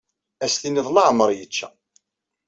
Ad as-tiniḍ leɛmer yečča.